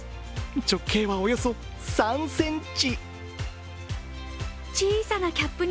直径は、およそ３ｃｍ。